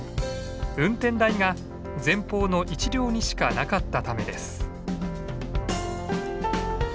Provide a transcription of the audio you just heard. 運転台が前方の一両にしかなかったためです。